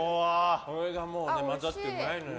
これが混ざってうまいのよ。